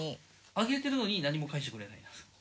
あげてるのに何も返してくれないんですか？